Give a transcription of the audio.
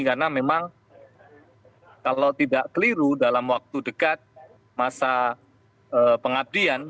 karena memang kalau tidak keliru dalam waktu dekat masa pengadilan